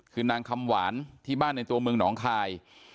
คือนางคำหวานที่บ้านในตัวเมืองหนองคาย